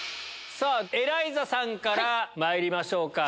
さぁエライザさんからまいりましょうか。